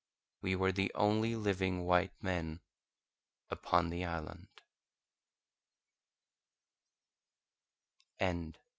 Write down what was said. We were the only living white men upon the island.